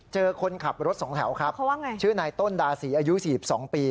เจอคนขับรถสองแถวครับชื่อณต้นดาศีอายุ๔๒ปี